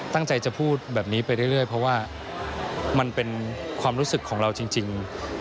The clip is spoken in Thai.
ตั้งใจจะพูดแบบนี้ไปเรื่อยเพราะว่ามันเป็นความรู้สึกของเราจริง